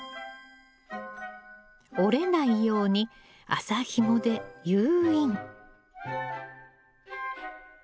折れないように麻ひもで誘引。